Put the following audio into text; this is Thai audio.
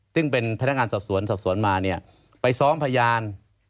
ซึ่งเป็นพนักงานสอบสวนสอบสวนมาเนี่ยไปซ้อมพยาน